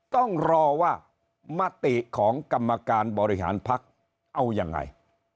ต้องรอว่ามติของกรรมการบริหารพักเอายังไง